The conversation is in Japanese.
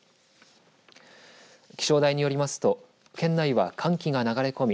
気象台によりますと県内は寒気が流れ込み